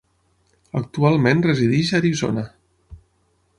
Actualment resideix a Arizona.